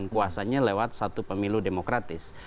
kuasanya lewat satu pemilu demokratis